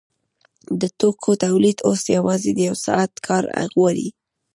د توکو تولید اوس یوازې یو ساعت کار غواړي